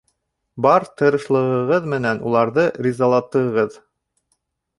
Бар тырышлығығыҙ менән уларҙы ризалатығыҙ.